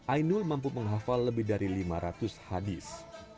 ainul mampu menghafal lebih dari lima ratus hadis